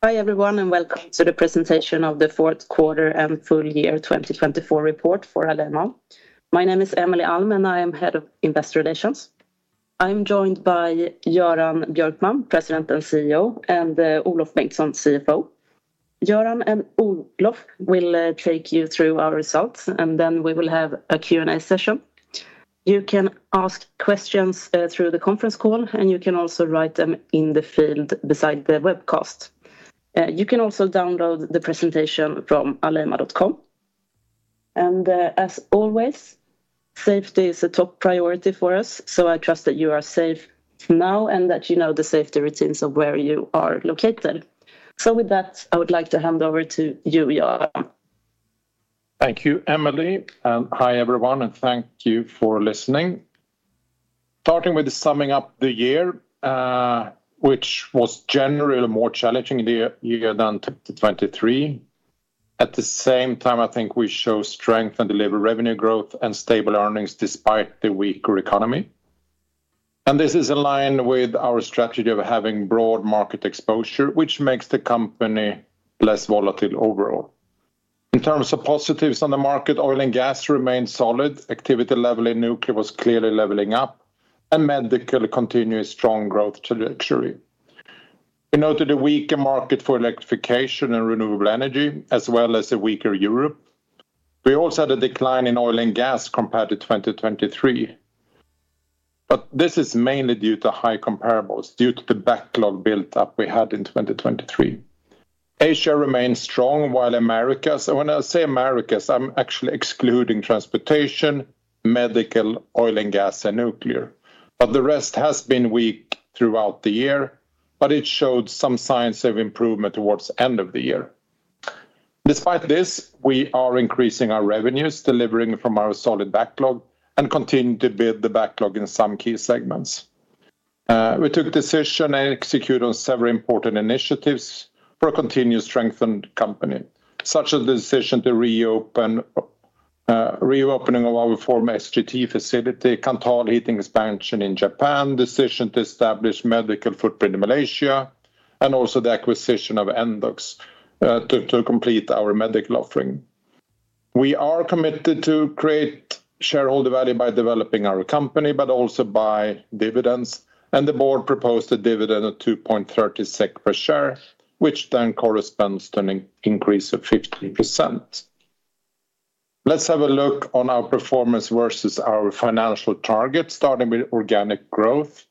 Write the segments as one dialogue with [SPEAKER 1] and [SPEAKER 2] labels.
[SPEAKER 1] Hi everyone and Welcome to the Presentation of the Fourth Quarter and Full Year 2024 Report for Alleima. My name is Emelie Alm and I am Head of Investor Relations. I'm joined by Göran Björkman, President and CEO, and Olof Bengtsson, CFO. Göran and Olof will take you through our results and then we will have a Q&A session. You can ask questions through the conference call and you can also write them in the field beside the webcast. You can also download the presentation from alleima.com. And as always, safety is a top priority for us, so I trust that you are safe now and that you know the safety routines of where you are located. So with that, I would like to hand over to you, Göran.
[SPEAKER 2] Thank you, Emelie. Hi everyone and thank you for listening. Starting with summing up the year, which was generally a more challenging year than 2023. At the same time, I think we show strength and deliver revenue growth and stable earnings despite the weaker economy. This is in line with our strategy of having broad market exposure, which makes the company less volatile overall. In terms of positives on the market, oil and gas remained solid, activity level in nuclear was clearly leveling up, and medical continued strong growth trajectory. We noted a weaker market for electrification and renewable energy, as well as a weaker Europe. We also had a decline in oil and gas compared to 2023. This is mainly due to high comparables due to the backlog built up we had in 2023. Asia remained strong while Americas, and when I say Americas, I'm actually excluding transportation, medical, oil and gas, and nuclear. But the rest has been weak throughout the year, but it showed some signs of improvement towards the end of the year. Despite this, we are increasing our revenues, delivering from our solid backlog, and continue to build the backlog in some key segments. We took decisions and execute on several important initiatives for a continued strengthened company, such as the decision to reopen our former SGT facility, Kanthal heating expansion in Japan, the decision to establish medical footprint in Malaysia, and also the acquisition of Endox to complete our medical offering. We are committed to create shareholder value by developing our company, but also by dividends, and the board proposed a dividend of 2.36 SEK per share, which then corresponds to an increase of 15%. Let's have a look on our performance versus our financial target, starting with organic growth.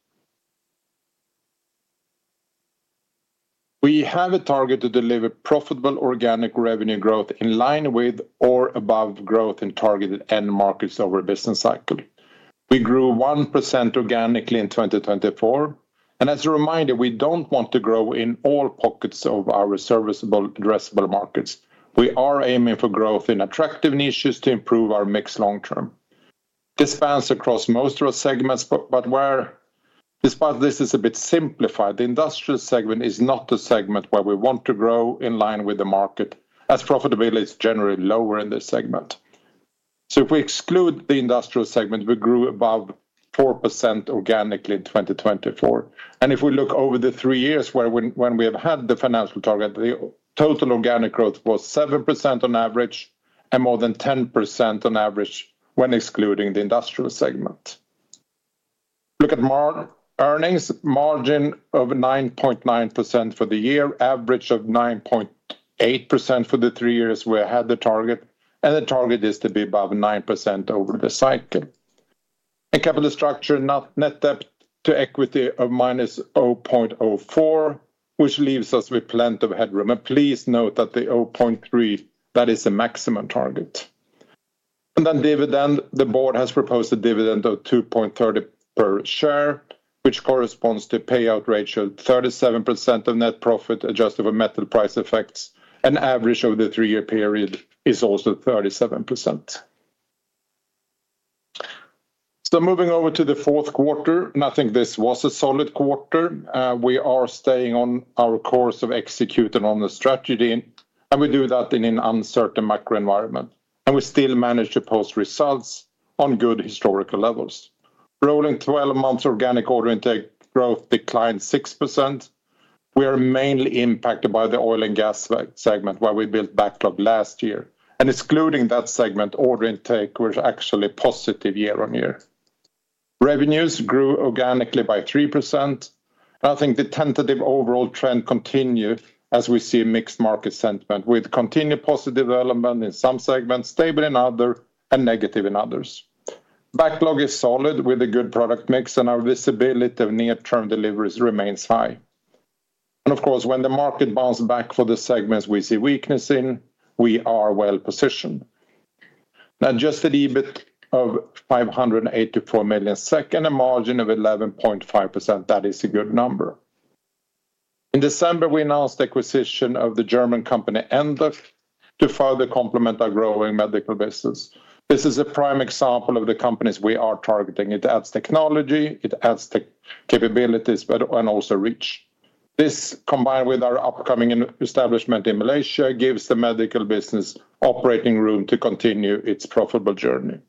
[SPEAKER 2] We have a target to deliver profitable organic revenue growth in line with or above growth in targeted end markets over a business cycle. We grew 1% organically in 2024, and as a reminder, we don't want to grow in all pockets of our serviceable, addressable markets. We are aiming for growth in attractive niches to improve our mix long-term. This spans across most of our segments, but where, despite this, it's a bit simplified, the industrial segment is not the segment where we want to grow in line with the market, as profitability is generally lower in this segment, so if we exclude the industrial segment, we grew above 4% organically in 2024. And if we look over the three years when we have had the financial target, the total organic growth was 7% on average and more than 10% on average when excluding the industrial segment. Look at earnings, margin of 9.9% for the year, average of 9.8% for the three years we had the target, and the target is to be above 9% over the cycle. And capital structure, net debt to equity of minus 0.04, which leaves us with plenty of headroom. And please note that the 0.3, that is a maximum target. And then dividend, the board has proposed a dividend of 2.30 per share, which corresponds to payout ratio of 37% of net profit adjusted for metal price effects, and average over the three-year period is also 37%. So moving over to the fourth quarter, and I think this was a solid quarter. We are staying on our course of executing on the strategy, and we do that in an uncertain macro environment. And we still managed to post results on good historical levels. Rolling 12 months organic order intake growth declined 6%. We are mainly impacted by the oil and gas segment where we built backlog last year. And excluding that segment, order intake was actually positive year on year. Revenues grew organically by 3%. And I think the tentative overall trend continues as we see mixed market sentiment with continued positive development in some segments, stable in others, and negative in others. Backlog is solid with a good product mix, and our visibility of near-term deliveries remains high. And of course, when the market bounced back for the segments we see weakness in, we are well positioned. Now, just an EBIT of 584 million SEK and a margin of 11.5%, that is a good number. In December, we announced acquisition of the German company Endox to further complement our growing medical business. This is a prime example of the companies we are targeting. It adds technology, it adds capabilities, and also reach. This, combined with our upcoming establishment in Malaysia, gives the medical business operating room to continue its profitable journey.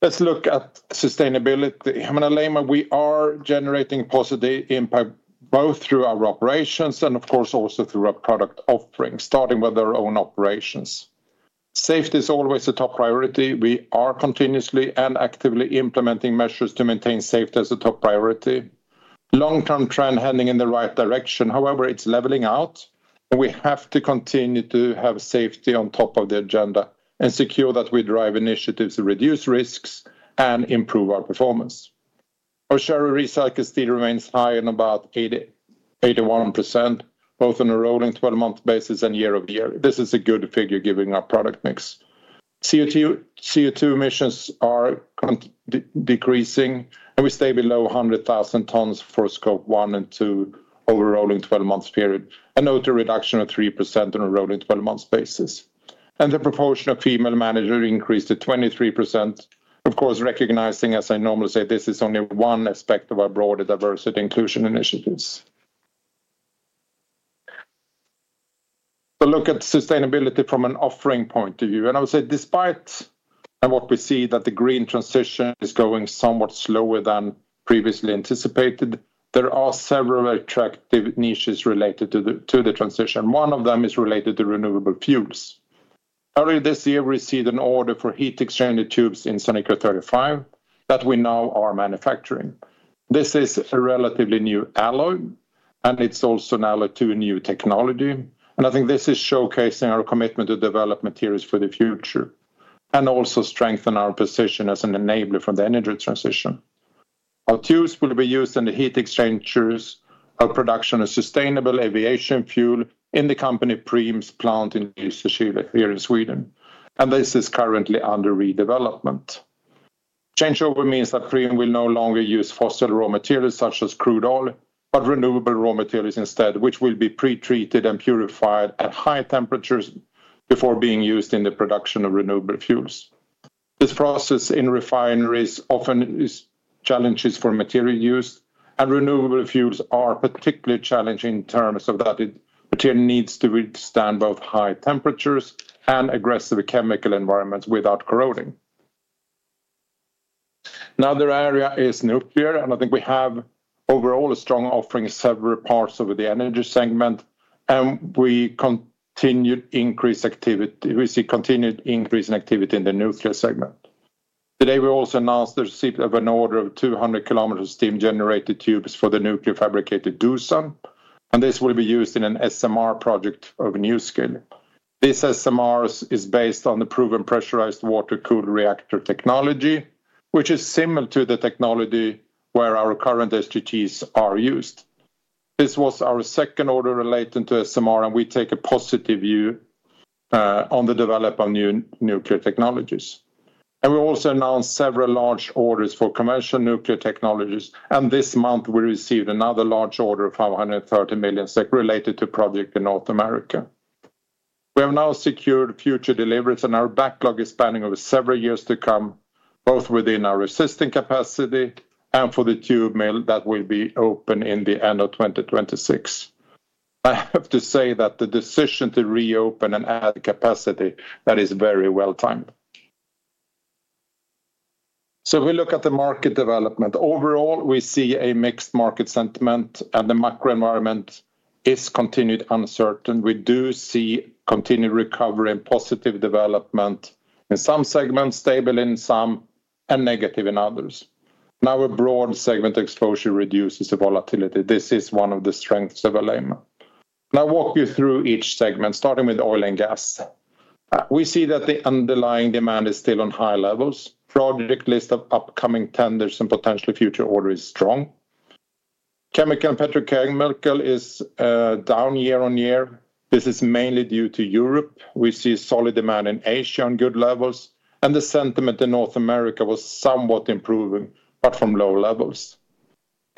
[SPEAKER 2] Let's look at sustainability. At Alleima, we are generating positive impact both through our operations and, of course, also through our product offering, starting with our own operations. Safety is always a top priority. We are continuously and actively implementing measures to maintain safety as a top priority. Long-term trend is heading in the right direction. However, it's leveling out, and we have to continue to have safety on top of the agenda and secure that we drive initiatives to reduce risks and improve our performance. Our share of recycled steel remains high in about 81%, both on a rolling 12-month basis and year-over-year. This is a good figure given our product mix. CO2 emissions are decreasing, and we stay below 100,000 tons for Scope 1 and 2 over a rolling 12-month period, a net reduction of 3% on a rolling 12-month basis. And the proportion of female managers increased to 23%. Of course, recognizing, as I normally say, this is only one aspect of our broader diversity and inclusion initiatives. So look at sustainability from an offering point of view. I would say, despite what we see, that the green transition is going somewhat slower than previously anticipated, there are several attractive niches related to the transition. One of them is related to renewable fuels. Earlier this year, we received an order for heat exchange tubes in Sanicro 35 that we now are manufacturing. This is a relatively new alloy, and it's also now a new technology. I think this is showcasing our commitment to develop materials for the future and also strengthen our position as an enabler for the energy transition. Our tubes will be used in the heat exchangers of production of sustainable aviation fuel in the company Preem's plant in Lysekil here in Sweden. This is currently under redevelopment. Changeover means that Preem will no longer use fossil raw materials such as crude oil, but renewable raw materials instead, which will be pretreated and purified at high temperatures before being used in the production of renewable fuels. This process in refineries often is challenges for material use, and renewable fuels are particularly challenging in terms of that material needs to withstand both high temperatures and aggressive chemical environments without corroding. Another area is nuclear, and I think we have overall a strong offering in several parts of the energy segment, and we continue to increase activity. We see continued increase in activity in the nuclear segment. Today, we also announced the receipt of an order of 200 km of steam generator tubes for the nuclear fabricated Doosan, and this will be used in an SMR project of NuScale. This SMR is based on the proven pressurized water-cooled reactor technology, which is similar to the technology where our current SGTs are used. This was our second order related to SMR, and we take a positive view on the development of new nuclear technologies. And we also announced several large orders for commercial nuclear technologies, and this month we received another large order of 530 million SEK related to a project in North America. We have now secured future deliveries, and our backlog is spanning over several years to come, both within our existing capacity and for the tube mill that will be open in the end of 2026. I have to say that the decision to reopen and add capacity that is very well timed. So if we look at the market development overall, we see a mixed market sentiment, and the macro environment is continued uncertain. We do see continued recovery and positive development in some segments, stable in some, and negative in others. Now, a broad segment exposure reduces the volatility. This is one of the strengths of Alleima. Now, I'll walk you through each segment, starting with oil and gas. We see that the underlying demand is still on high levels. The project list of upcoming tenders and potentially future orders is strong. Chemical and petrochemical is down year on year. This is mainly due to Europe. We see solid demand in Asia on good levels, and the sentiment in North America was somewhat improving, but from low levels.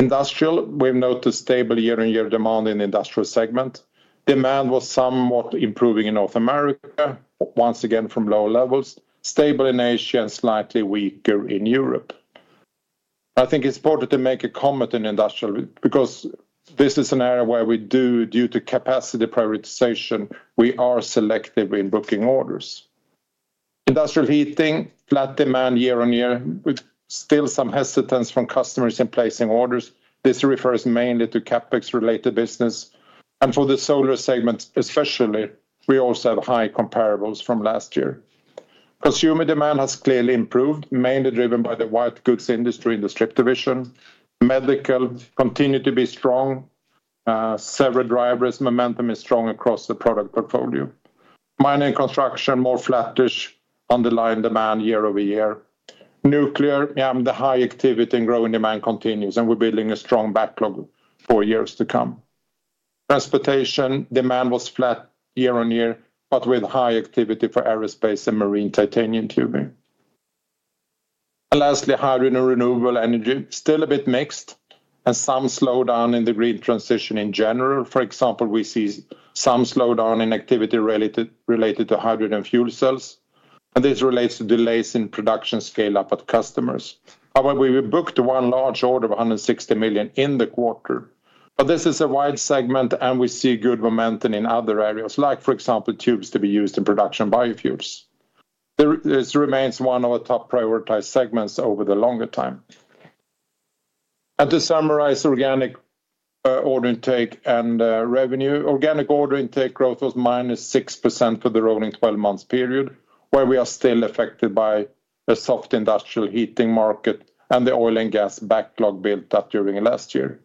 [SPEAKER 2] Industrial, we've noticed stable year-on-year demand in the industrial segment. Demand was somewhat improving in North America, once again from low levels, stable in Asia, and slightly weaker in Europe. I think it's important to make a comment on industrial because this is an area where we do, due to capacity prioritization, we are selective in booking orders. Industrial heating, flat demand year on year, with still some hesitance from customers in placing orders. This refers mainly to CapEx-related business. And for the solar segment especially, we also have high comparables from last year. Consumer demand has clearly improved, mainly driven by the white goods industry in the Strip division. Medical continues to be strong. Several drivers, momentum is strong across the product portfolio. Mining and construction, more flattish underlying demand year-over-year. Nuclear, the high activity and growing demand continues, and we're building a strong backlog for years to come. Transportation, demand was flat year on year, but with high activity for aerospace and marine titanium tubing. And lastly, hydrogen and renewable energy, still a bit mixed, and some slowdown in the green transition in general. For example, we see some slowdown in activity related to hydrogen fuel cells, and this relates to delays in production scale-up at customers. However, we booked one large order of 160 million in the quarter, but this is a wide segment, and we see good momentum in other areas, like for example, tubes to be used in production biofuels. This remains one of our top prioritized segments over the longer time. And to summarize organic order intake and revenue, organic order intake growth was 6% for the rolling 12-month period, where we are still affected by the soft industrial heating market and the oil and gas backlog built up during last year.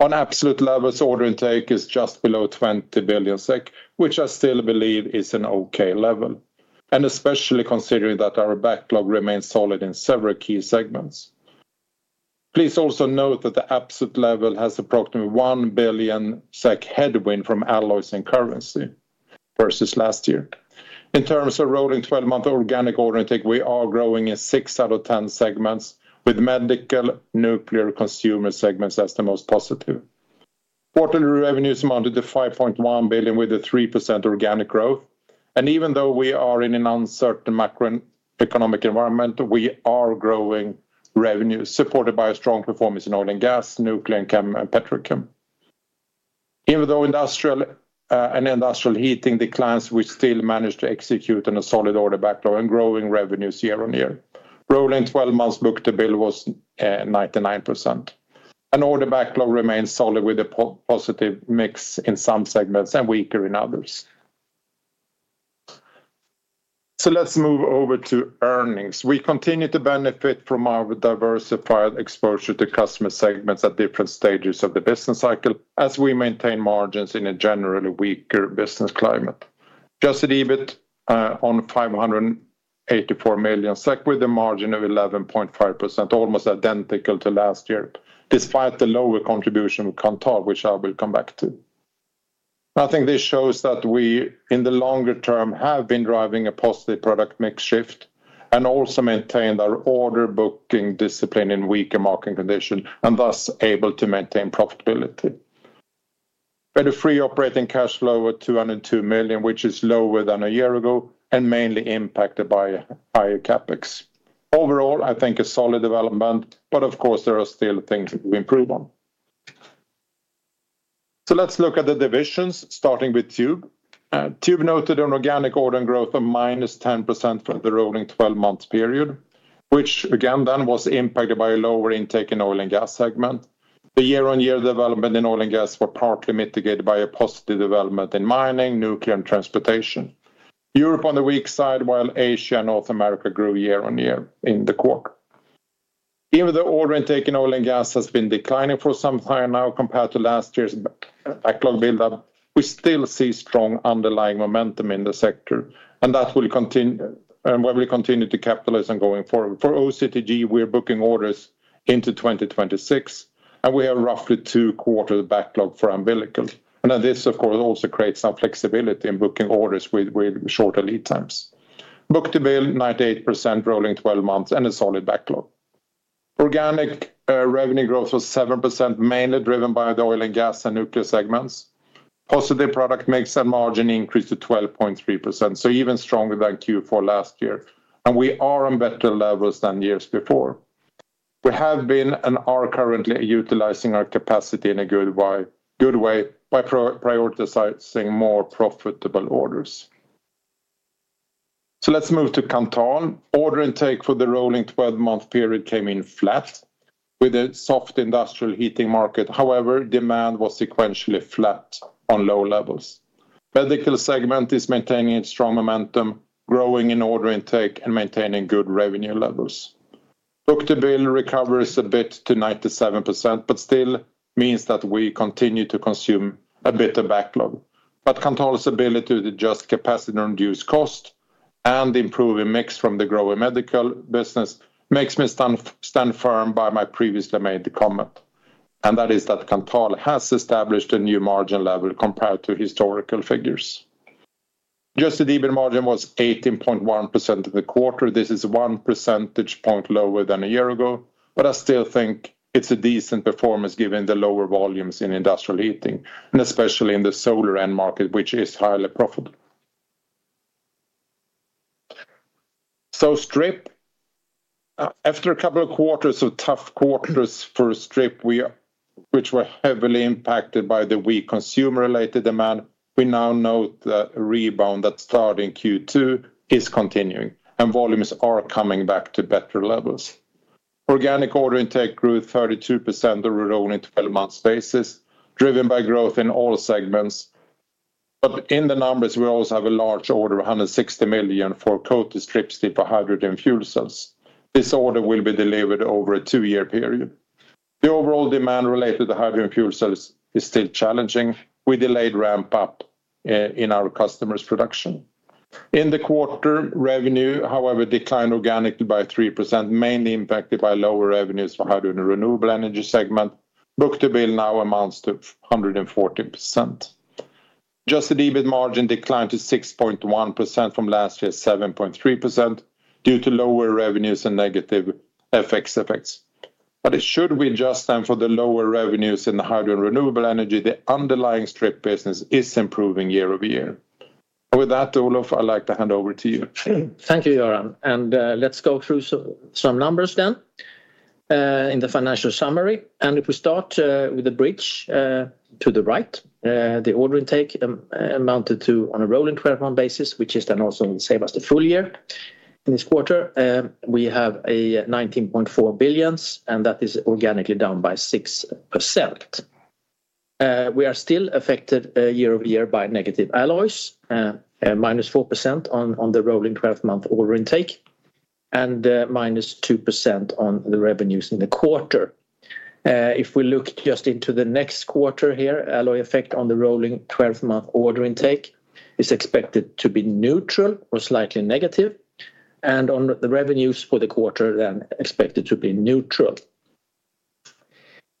[SPEAKER 2] On absolute levels, order intake is just below 20 billion SEK, which I still believe is an okay level, and especially considering that our backlog remains solid in several key segments. Please also note that the absolute level has approximately 1 billion SEK headwind from alloys and currency versus last year. In terms of rolling 12-month organic order intake, we are growing in six out of 10 segments, with medical, nuclear, consumer segments as the most positive. Quarterly revenues amounted to 5.1 billion with a 3% organic growth, and even though we are in an uncertain macroeconomic environment, we are growing revenue supported by a strong performance in oil and gas, nuclear and petrochemical. Even though industrial and industrial heating declines, we still managed to execute on a solid order backlog and growing revenues year on year. Rolling 12-month book-to-bill was 99%. Order backlog remains solid with a positive mix in some segments and weaker in others. Let's move over to earnings. We continue to benefit from our diversified exposure to customer segments at different stages of the business cycle as we maintain margins in a generally weaker business climate. Just an EBIT of 584 million SEK with a margin of 11.5%, almost identical to last year, despite the lower contribution from Kanthal, which I will come back to. I think this shows that we, in the longer term, have been driving a positive product mix shift and also maintained our order booking discipline in weaker market conditions and thus able to maintain profitability. We had a free operating cash flow of 202 million, which is lower than a year ago and mainly impacted by higher CapEx. Overall, I think a solid development, but of course, there are still things we improve on. So let's look at the divisions, starting with Tube. Tube noted an organic order growth of minus 10% for the rolling 12-month period, which again then was impacted by a lower intake in oil and gas segment. The year-on-year development in oil and gas was partly mitigated by a positive development in mining, nuclear, and transportation. Europe on the weak side, while Asia and North America grew year-on-year in the quarter. Even though order intake in oil and gas has been declining for some time now compared to last year's backlog buildup, we still see strong underlying momentum in the sector, and that will continue and where we continue to capitalize on going forward. For OCTG, we are booking orders into 2026, and we have roughly two quarters of backlog for umbilicals. And this, of course, also creates some flexibility in booking orders with shorter lead times. Book-to-bill 98% rolling 12 months and a solid backlog. Organic revenue growth was 7%, mainly driven by the oil and gas and nuclear segments. Positive product mix and margin increased to 12.3%, so even stronger than Q4 last year. And we are on better levels than years before. We have been and are currently utilizing our capacity in a good way by prioritizing more profitable orders. So let's move to Kanthal. Order intake for the rolling 12-month period came in flat with a soft industrial heating market. However, demand was sequentially flat on low levels. Medical segment is maintaining strong momentum, growing in order intake and maintaining good revenue levels. Book-to-bill recovers a bit to 97%, but still means that we continue to consume a bit of backlog. Kanthal's ability to adjust capacity and reduce cost and improve a mix from the growing medical business makes me stand firm by my previously made comment. That is that Kanthal has established a new margin level compared to historical figures. Adjusted EBIT margin was 18.1% for the quarter. This is one percentage point lower than a year ago, but I still think it's a decent performance given the lower volumes in industrial heating, and especially in the solar end market, which is highly profitable. Strip, after a couple of quarters of tough quarters for strip, which were heavily impacted by the weak consumer-related demand, we now note that rebound that started in Q2 is continuing, and volumes are coming back to better levels. Organic order intake grew 32% over a rolling 12-month basis, driven by growth in all segments. But in the numbers, we also have a large order of 160 million for coated strip steel for hydrogen fuel cells. This order will be delivered over a two-year period. The overall demand related to hydrogen fuel cells is still challenging. We delayed ramp-up in our customers' production. In the quarter, revenue, however, declined organically by 3%, mainly impacted by lower revenues for hydrogen and renewable energy segment. Book-to-bill now amounts to 140%. EBIT margin declined to 6.1% from last year's 7.3% due to lower revenues and negative FX effects. But should we adjust them for the lower revenues in the hydrogen renewable energy, the underlying strip business is improving year-over-year. With that, Olof, I'd like to hand over to you.
[SPEAKER 3] Thank you, Göran. Let's go through some numbers then in the financial summary. If we start with the bridge to the right, the order intake amounted to, on a rolling 12-month basis, which then also gives us the full year. In this quarter, we have 19.4 billion, and that is organically down by 6%. We are still affected year-over-year by negative alloys, minus 4% on the rolling 12-month order intake, and minus 2% on the revenues in the quarter. If we look just into the next quarter here, alloy effect on the rolling 12-month order intake is expected to be neutral or slightly negative, and on the revenues for the quarter, then expected to be neutral.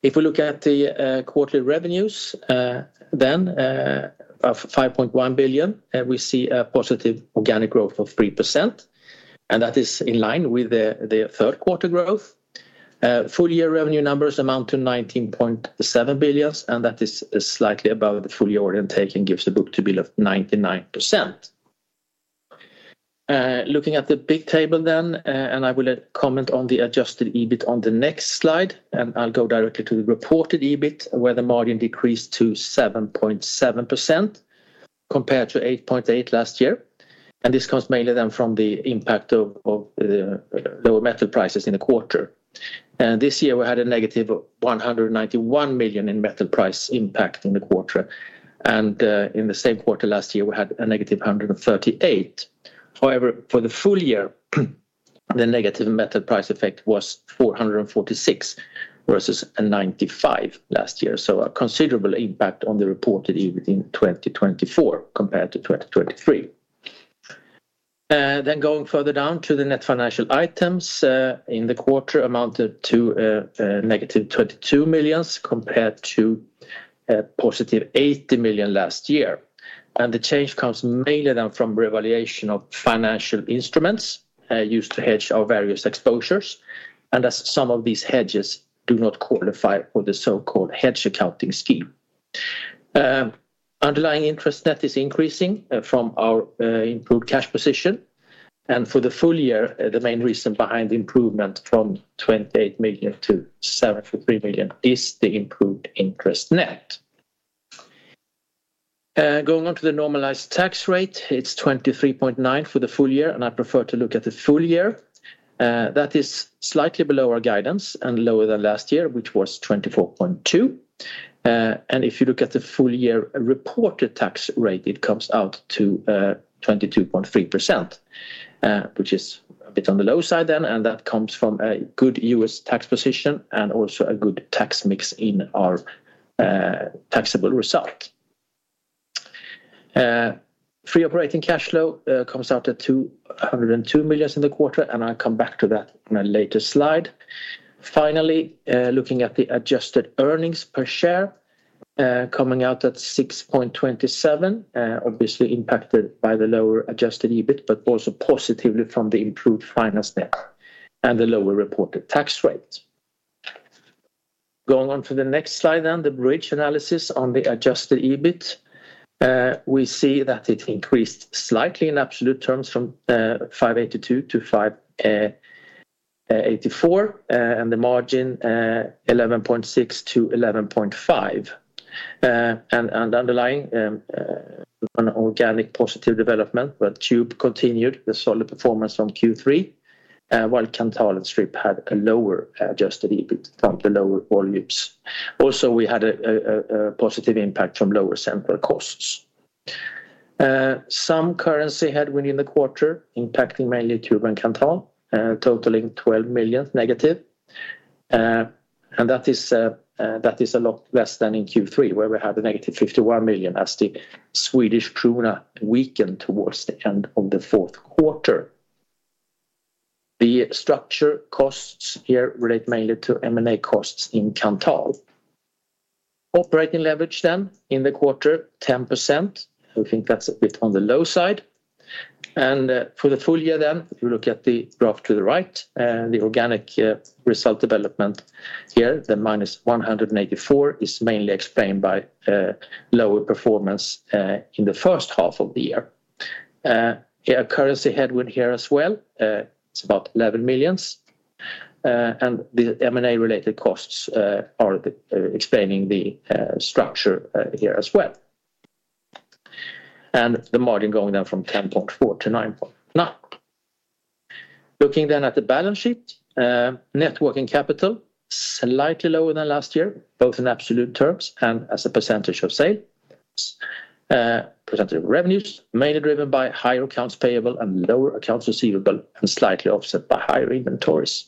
[SPEAKER 3] If we look at the quarterly revenues then of 5.1 billion, we see a positive organic growth of 3%, and that is in line with the third quarter growth. Full year revenue numbers amount to 19.7 billion, and that is slightly above the full year order intake and gives a book-to-bill of 99%. Looking at the big table then, and I will comment on the adjusted EBIT on the next slide, and I'll go directly to the reported EBIT, where the margin decreased to 7.7% compared to 8.8% last year. And this comes mainly then from the impact of lower metal prices in the quarter. And this year, we had a negative 191 million in metal price impact in the quarter. And in the same quarter last year, we had a negative 138 million. However, for the full year, the negative metal price effect was 446 million versus 95 million last year. So a considerable impact on the reported EBIT in 2024 compared to 2023. Then going further down to the net financial items in the quarter amounted to -22 million compared to 80 million last year, and the change comes mainly then from revaluation of financial instruments used to hedge our various exposures, and as some of these hedges do not qualify for the so-called hedge accounting scheme. Underlying interest net is increasing from our improved cash position, and for the full year, the main reason behind the improvement from 28 million to 73 million is the improved interest net. Going on to the normalized tax rate, it's 23.9% for the full year, and I prefer to look at the full year. That is slightly below our guidance and lower than last year, which was 24.2%. If you look at the full year reported tax rate, it comes out to 22.3%, which is a bit on the low side then, and that comes from a good US tax position and also a good tax mix in our taxable result. Free operating cash flow comes out at 202 million in the quarter, and I'll come back to that on a later slide. Finally, looking at the adjusted earnings per share, coming out at 6.27, obviously impacted by the lower adjusted EBIT, but also positively from the improved finance net and the lower reported tax rate. Going on to the next slide then, the bridge analysis on the adjusted EBIT. We see that it increased slightly in absolute terms from 582 to 584, and the margin 11.6% to 11.5%. Underlying an organic positive development, but Tube continued the solid performance from Q3, while Kanthal and Strip had a lower adjusted EBIT from the lower volumes. Also, we had a positive impact from lower central costs. Some currency headwind in the quarter impacting mainly Tube and Kanthal, totaling negative SEK 12 million. That is a lot less than in Q3, where we had a negative 51 million as the Swedish krona weakened towards the end of the fourth quarter. The structure costs here relate mainly to M&A costs in Kanthal. Operating leverage then in the quarter, 10%. I think that's a bit on the low side. For the full year then, if you look at the graph to the right, the organic result development here, the minus 184 is mainly explained by lower performance in the first half of the year. Currency headwind here as well. It's about 11 million. The M&A related costs are explaining the structure here as well. The margin [is] going down from 10.4% to 9.9%. Looking then at the balance sheet, net working capital [is] slightly lower than last year, both in absolute terms and as a percentage of sales. [The] percentage of revenues [is] mainly driven by higher accounts payable and lower accounts receivable and slightly offset by higher inventories.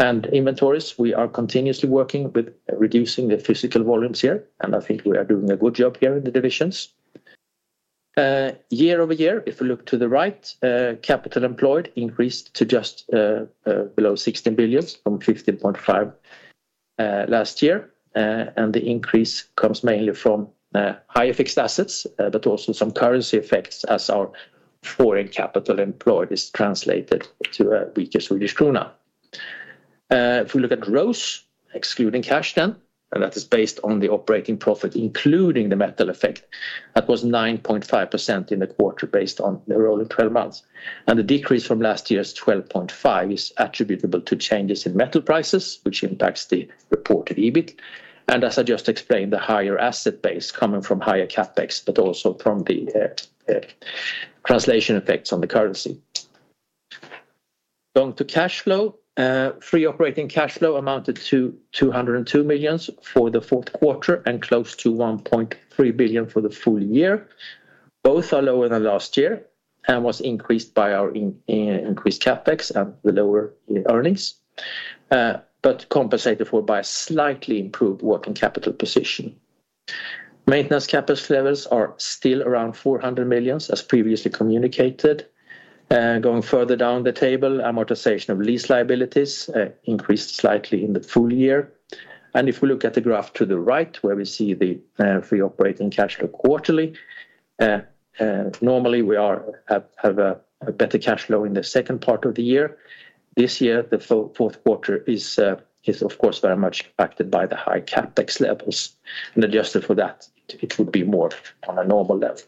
[SPEAKER 3] Inventories, we are continuously working with reducing the physical volumes here, and I think we are doing a good job here in the divisions. year-over-year, if we look to the right, capital employed increased to just below 16 billion from 15.5 billion last year. The increase comes mainly from higher fixed assets, but also some currency effects as our foreign capital employed is translated to a weaker Swedish krona. If we look at ROCE, excluding cash then, and that is based on the operating profit, including the metal effect, that was 9.5% in the quarter based on the rolling 12 months. And the decrease from last year's 12.5% is attributable to changes in metal prices, which impacts the reported EBIT. And as I just explained, the higher asset base coming from higher CapEx, but also from the translation effects on the currency. Going to cash flow, free operating cash flow amounted to 202 million for the fourth quarter and close to 1.3 billion for the full year. Both are lower than last year and was increased by our increased CapEx and the lower earnings, but compensated for by a slightly improved working capital position. Maintenance CapEx levels are still around 400 million, as previously communicated. Going further down the table, amortization of lease liabilities increased slightly in the full year. And if we look at the graph to the right, where we see the free operating cash flow quarterly, normally we have a better cash flow in the second part of the year. This year, the fourth quarter is, of course, very much impacted by the high CapEx levels. And adjusted for that, it would be more on a normal level.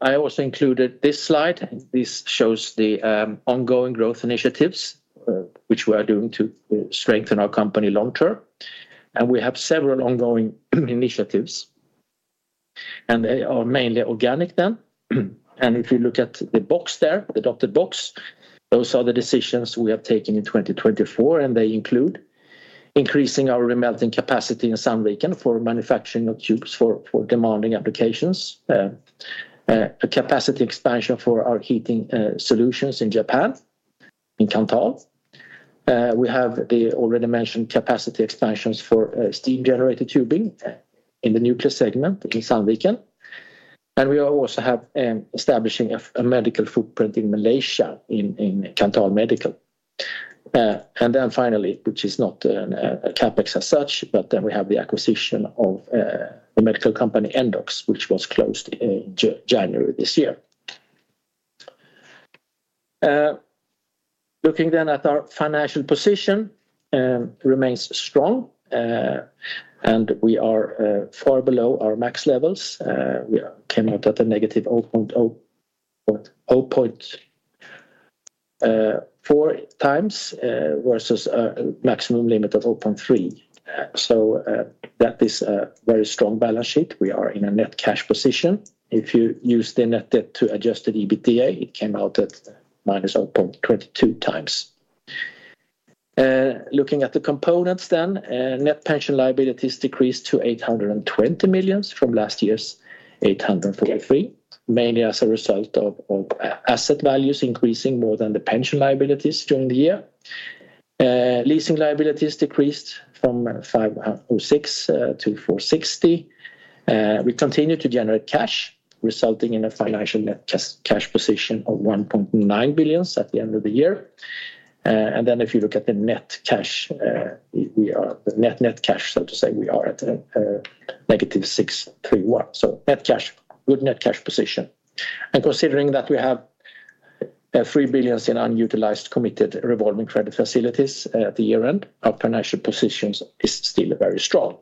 [SPEAKER 3] I also included this slide. This shows the ongoing growth initiatives which we are doing to strengthen our company long term. And we have several ongoing initiatives, and they are mainly organic then. And if you look at the box there, the dotted box, those are the decisions we have taken in 2024, and they include increasing our remelting capacity in Sandviken for manufacturing of tubes for demanding applications, capacity expansion for our heating solutions in Japan, in Kanthal. We have the already mentioned capacity expansions for steam generator tubing in the nuclear segment in Sandviken. And we also have establishing a medical footprint in Malaysia in the medical. And then finally, which is not a CapEx as such, but then we have the acquisition of the medical company Endox, which was closed in January this year. Looking then at our financial position, it remains strong, and we are far below our max levels. We came out at a negative 0.4 times versus a maximum limit of 0.3. So that is a very strong balance sheet. We are in a net cash position. If you use the net debt to EBITDA, it came out at minus 0.22 times. Looking at the components then, net pension liabilities decreased to 820 million from last year's 843 million, mainly as a result of asset values increasing more than the pension liabilities during the year. Leasing liabilities decreased from 506 million to 460 million. We continue to generate cash, resulting in a financial net cash position of 1.9 billion at the end of the year. Then if you look at the net cash, the net net cash, so to say, we are at a negative 631 million. Net cash, good net cash position. Considering that we have 3 billion in unutilized committed revolving credit facilities at the year end, our financial position is still very strong.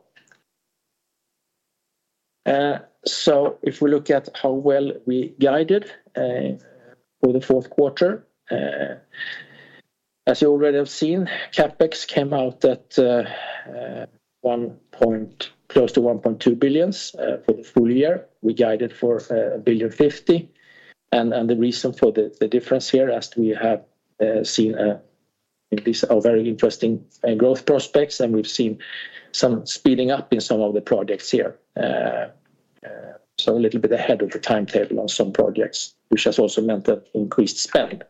[SPEAKER 3] If we look at how well we guided for the fourth quarter, as you already have seen, CapEx came out at close to 1.2 billion for the full year. We guided for 1.05 billion. The reason for the difference here is we have seen these are very interesting growth prospects, and we've seen some speeding up in some of the projects here. A little bit ahead of the timetable on some projects, which has also meant an increased spend.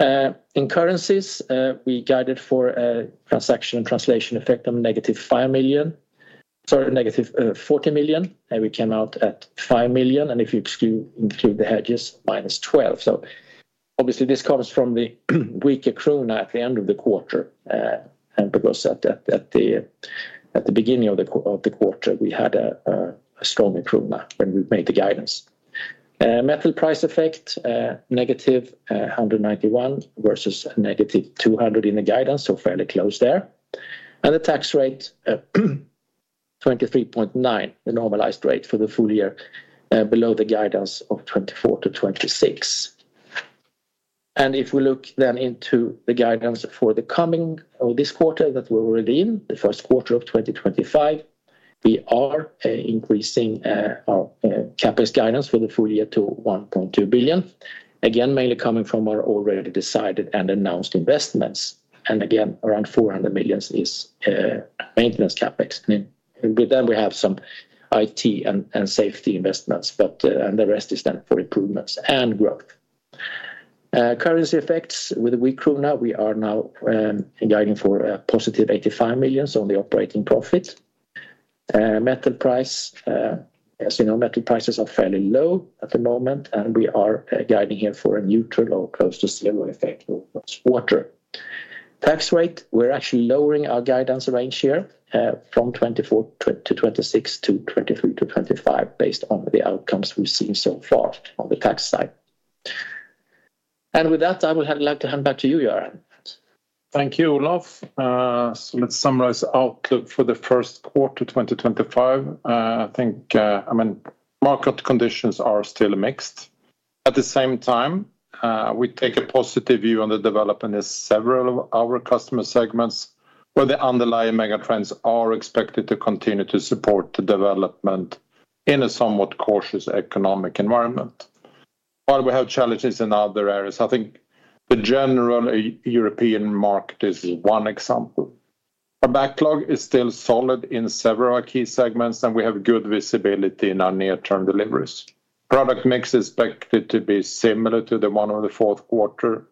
[SPEAKER 3] In currencies, we guided for a transaction and translation effect of negative 5 million, sorry, negative 40 million. We came out at 5 million, and if you include the hedges, minus 12 million. Obviously, this comes from the weaker krona at the end of the quarter. Because at the beginning of the quarter, we had a stronger krona when we made the guidance. Metal price effect, negative 191 million versus negative 200 million in the guidance, so fairly close there, and the tax rate, 23.9%, the normalized rate for the full year, below the guidance of 24% to 26%, and if we look then into the guidance for the coming or this quarter that we're already in, the first quarter of 2025, we are increasing our CapEx guidance for the full year to 1.2 billion. Again, mainly coming from our already decided and announced investments, and again, around 400 million is maintenance CapEx, then we have some IT and safety investments, but the rest is then for improvements and growth. Currency effects with a weak krona, we are now guiding for a positive 85 million on the operating profit. Metal price, as you know, metal prices are fairly low at the moment, and we are guiding here for a neutral or close to zero effect over the quarter. Tax rate, we're actually lowering our guidance range here from 24%-26% to 23%-25% based on the outcomes we've seen so far on the tax side. And with that, I would like to hand back to you, Göran.
[SPEAKER 2] Thank you, Olof. So let's summarize the outlook for the first quarter 2025. I think, I mean, market conditions are still mixed. At the same time, we take a positive view on the development of several of our customer segments, where the underlying megatrends are expected to continue to support the development in a somewhat cautious economic environment. While we have challenges in other areas, I think the general European market is one example. Our backlog is still solid in several key segments, and we have good visibility in our near-term deliveries. Product mix is expected to be similar to the one of the fourth quarter.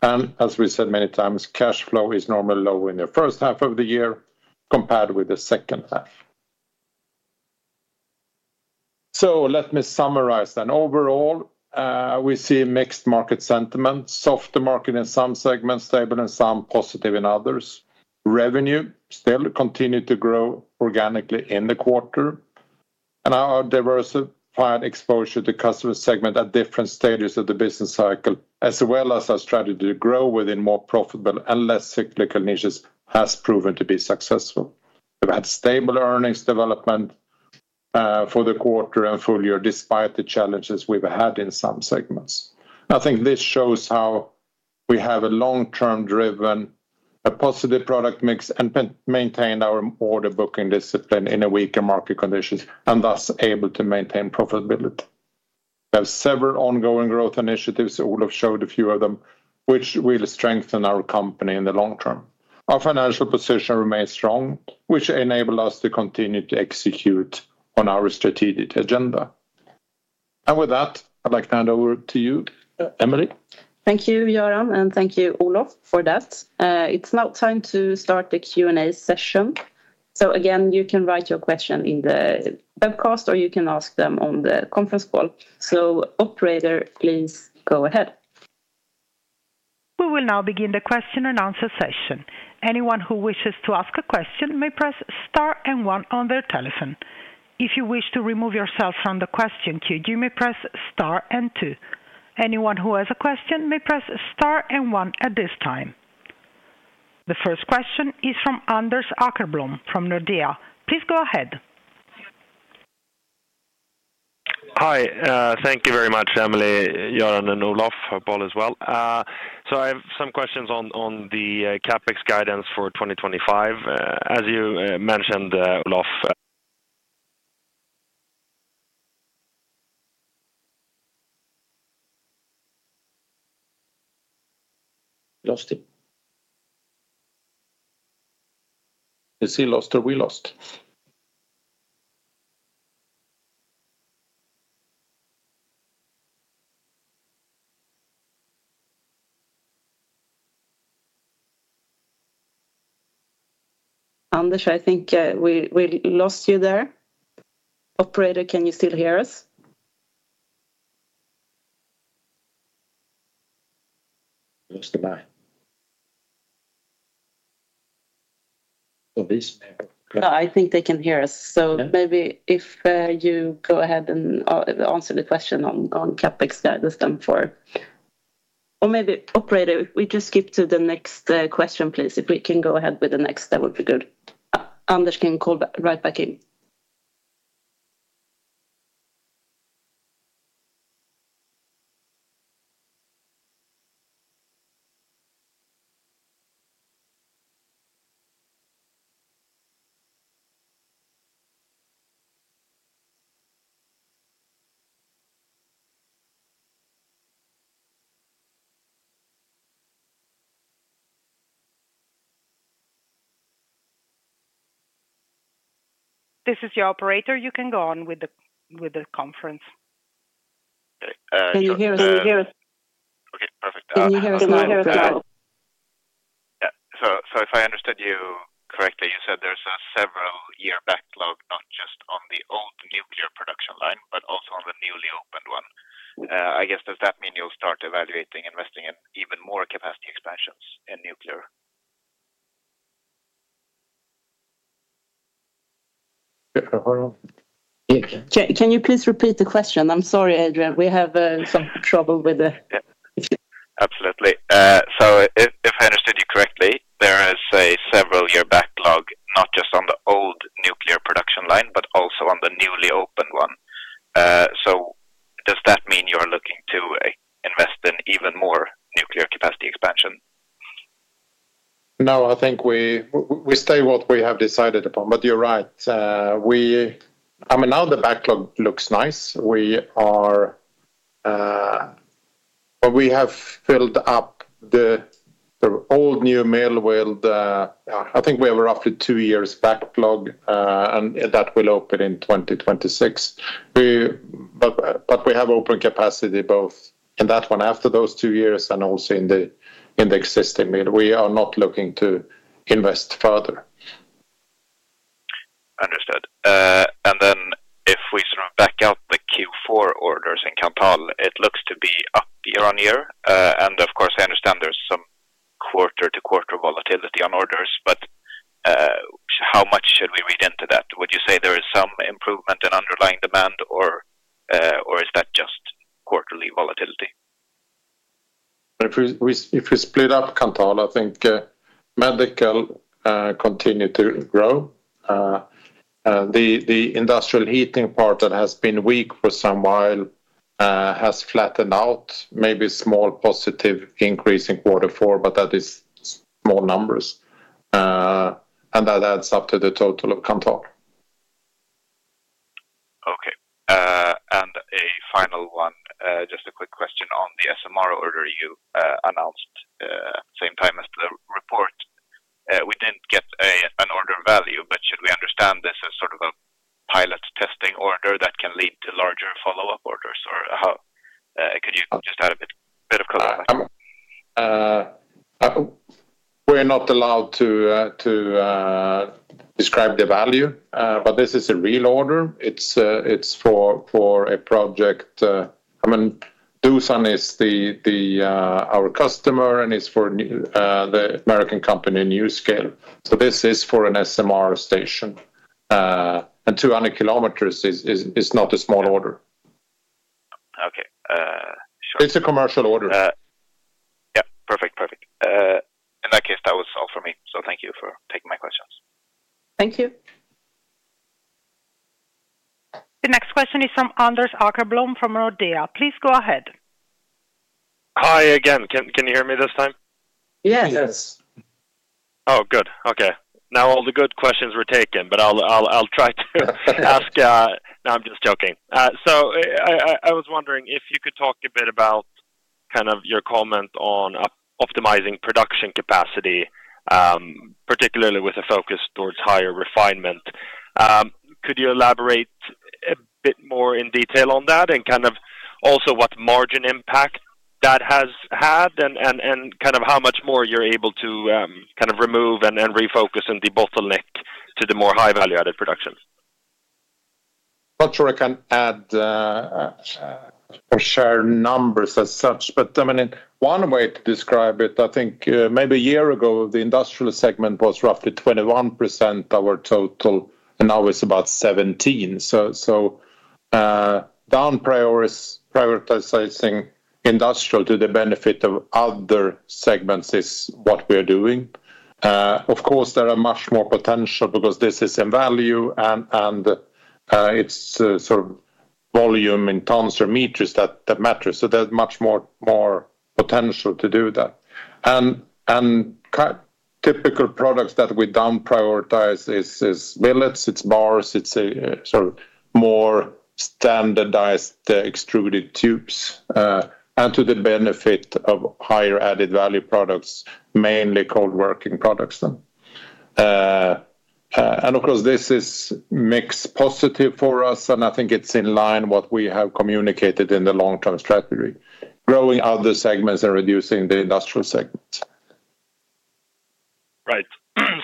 [SPEAKER 2] And as we said many times, cash flow is normally low in the first half of the year compared with the second half. So let me summarize then overall. We see mixed market sentiment, soft market in some segments, stable in some, positive in others. Revenue still continued to grow organically in the quarter. And our diversified exposure to customer segment at different stages of the business cycle, as well as our strategy to grow within more profitable and less cyclical niches, has proven to be successful. We've had stable earnings development for the quarter and full year despite the challenges we've had in some segments. I think this shows how we have a long-term driven, a positive product mix, and maintained our order booking discipline in a weaker market conditions, and thus able to maintain profitability. We have several ongoing growth initiatives, Olof showed a few of them, which will strengthen our company in the long term. Our financial position remains strong, which enables us to continue to execute on our strategic agenda, and with that, I'd like to hand over to you, Emelie.
[SPEAKER 1] Thank you, Göran, and thank you, Olof, for that. It's now time to start the Q&A session. So again, you can write your question in the webcast, or you can ask them on the conference call. So operator, please go ahead.
[SPEAKER 4] We will now begin the question and answer session. Anyone who wishes to ask a question may press star and one on their telephone. If you wish to remove yourself from the question queue, you may press star and two. Anyone who has a question may press star and one at this time. The first question is from Anders Åkerblom from Nordea. Please go ahead.
[SPEAKER 2] Hi, thank you very much, Emelie, Göran, and Olof, Paul as well. So I have some questions on the CapEx guidance for 2025. As you mentioned, Olof. Lost it. Is he lost or we lost?
[SPEAKER 1] Anders, I think we lost you there. Operator, can you still hear us?
[SPEAKER 2] Lost the mic.
[SPEAKER 1] I think they can hear us. So maybe if you go ahead and answer the question on CapEx guidance then for. Or maybe operator, if we just skip to the next question, please. If we can go ahead with the next, that would be good. Anders can call right back in.
[SPEAKER 4] This is your operator. You can go on with the conference.
[SPEAKER 1] Can you hear us? Okay, perfect. Can you hear us now? Yeah. So if I understood you correctly, you said there's a several-year backlog, not just on the old nuclear production line, but also on the newly opened one. I guess, does that mean you'll start evaluating investing in even more capacity expansions in nuclear? Can you please repeat the question? I'm sorry, Adrian. We have some trouble with the. Absolutely. So if I understood you correctly, there is a several-year backlog, not just on the old nuclear production line, but also on the newly opened one. So does that mean you're looking to invest in even more nuclear capacity expansion?
[SPEAKER 2] No, I think we stay what we have decided upon, but you're right. I mean, now the backlog looks nice. We have filled up the old new mill with, I think we have roughly two years backlog, and that will open in 2026, but we have open capacity both in that one after those two years and also in the existing mill. We are not looking to invest further. Understood, and then if we sort of back out the Q4 orders in Kanthal, it looks to be up year on year, and of course, I understand there's some quarter-to-quarter volatility on orders, but how much should we read into that? Would you say there is some improvement in underlying demand, or is that just quarterly volatility? If we split up Kanthal, I think medical continued to grow. The industrial heating part that has been weak for some while has flattened out. Maybe small positive increase in quarter four, but that is small numbers. And that adds up to the total of Kanthal. Okay. And a final one, just a quick question on the SMR order you announced at the same time as the report. We didn't get an order value, but should we understand this as sort of a pilot testing order that can lead to larger follow-up orders? Or could you just add a bit of color?
[SPEAKER 3] We're not allowed to describe the value, but this is a real order. It's for a project. I mean, Doosan is our customer, and it's for the American company NuScale. So this is for an SMR station. And 200 km is not a small order. Okay. It's a commercial order. Yeah. Perfect. Perfect. In that case, that was all for me. So thank you for taking my questions.
[SPEAKER 1] Thank you.
[SPEAKER 4] The next question is from Anders Åkerblom from Nordea. Please go ahead.
[SPEAKER 5] Hi again. Can you hear me this time?
[SPEAKER 2] Yes.
[SPEAKER 5] Oh, good. Okay. Now all the good questions were taken, but I'll try to ask. No, I'm just joking. So I was wondering if you could talk a bit about kind of your comment on optimizing production capacity, particularly with a focus towards higher refinement. Could you elaborate a bit more in detail on that and kind of also what margin impact that has had and kind of how much more you're able to kind of remove and refocus and de-bottleneck to the more high-value-added production?
[SPEAKER 2] Not sure I can add for sure numbers as such, but I mean, one way to describe it. I think maybe a year ago, the industrial segment was roughly 21% of our total, and now it's about 17%. So downprioritizing industrial to the benefit of other segments is what we are doing. Of course, there are much more potential because this is in value, and it's sort of volume in tons or meters that matters. So there's much more potential to do that. And typical products that we downprioritize is billets, it's bars, it's sort of more standardized extruded tubes, and to the benefit of higher-added value products, mainly cold working products. And of course, this is mixed positive for us, and I think it's in line with what we have communicated in the long-term strategy, growing other segments and reducing the industrial segments.
[SPEAKER 5] Right.